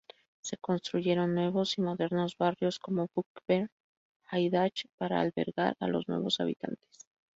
Se construyeron nuevos y modernos barrios como "Buckenberg-Haidach" para albergar a los nuevos habitantes.